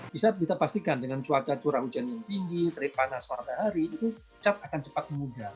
bisa kita pastikan dengan cuaca curah hujan yang tinggi terlalu panas pada hari itu cat akan cepat memudah